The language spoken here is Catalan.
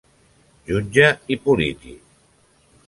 Jutge i polític.